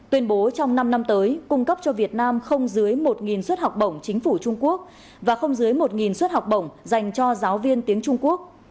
tuyên bố trong năm năm tới cung cấp cho việt nam không dưới một suất học bổng chính phủ trung quốc và không dưới một suất học bổng dành cho giáo viên tiếng trung quốc